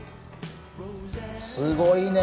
すごいね。